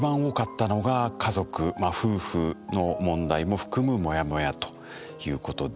夫婦の問題も含むモヤモヤということで。